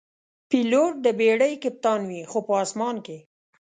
پیلوټ د بېړۍ کپتان وي، خو په آسمان کې.